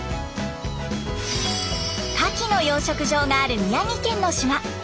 カキの養殖場がある宮城県の島。